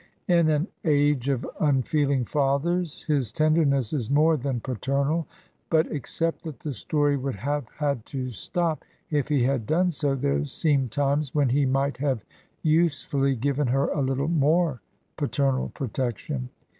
In an age of unfeel ing fathers his tenderness is more than paternal, but except that the story would have had to stop if he had done so, there seem times when he might have usefully given her a Httle more paternal protection.